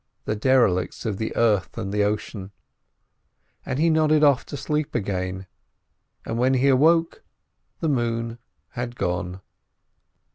The derelicts of the earth and the ocean. Then he nodded off to sleep again, and when he awoke the moon had gone.